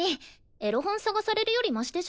エロ本探されるよりマシでしょ？